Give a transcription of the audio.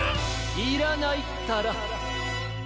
いらないったら！